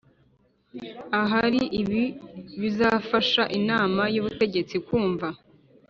Ahari ibi bizafasha inama y ubutegetsi kumva